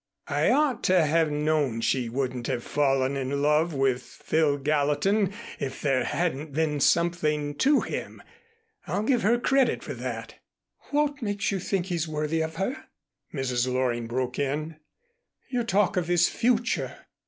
I ought to have known she wouldn't have fallen in love with Phil Gallatin if there hadn't been something to him. I'll give her credit for that " "What makes you think he's worthy of her?" Mrs. Loring broke in. "You talk of his future.